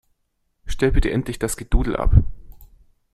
Stellt bitte endlich das Gedudel ab!